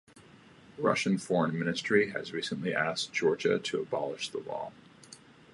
Russian Foreign Ministry has recently asked Georgia to abolish the law.